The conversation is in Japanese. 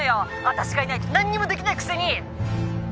私がいないと何にもできないくせに！